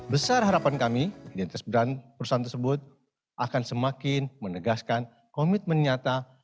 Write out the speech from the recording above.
besar harapan kami di atas brand perusahaan tersebut akan semakin menegaskan komitmen nyata